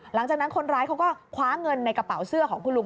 หลังจากนั้นคนร้ายเขาก็คว้าเงินในกระเป๋าเสื้อของคุณลุง